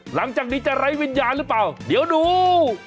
หลังจากนี้จะไร้วิญญาณหรือเปล่าเดี๋ยวดู